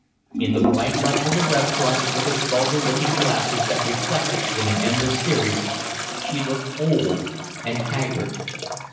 In the bright light of the restaurant, with its vulgar looking glasses that reflected in an endless series, she looked old and haggard.